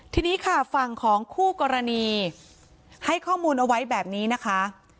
ทีนี้ค่ะฝั่งของคู่กรณีให้ข้อมูลเอาไว้แบบนี้นะคะ